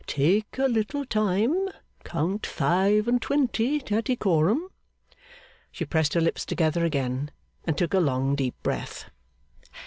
'Take a little time count five and twenty, Tattycoram.' She pressed her lips together again, and took a long deep breath.